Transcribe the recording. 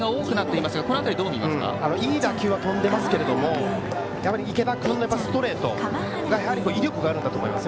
いい打球は飛んでいますけどもやっぱり池田君のストレートに威力があるんだと思います。